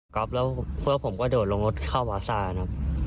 รับแล้วเพื่อนผมก็โดดลงรถเข้าวาซ่านะครับ